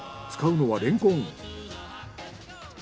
使うのはレンコン。